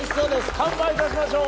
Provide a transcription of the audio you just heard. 乾杯いたしましょう！